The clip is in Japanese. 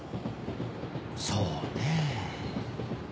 そうねぇ。